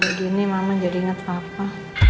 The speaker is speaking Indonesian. gak gini mama jadi inget papa